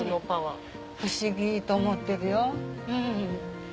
不思議と思ってるよ。